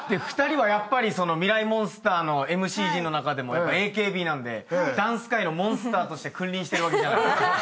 ２人はやっぱり『ミライ☆モンスター』のＭＣ陣の中でもＡＫＢなんでダンス界のモンスターとして君臨してるわけじゃない。